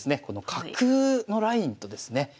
この角のラインとですね